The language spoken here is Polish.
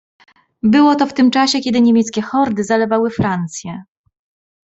"Było to w tym czasie, kiedy niemieckie hordy zalewały Francję."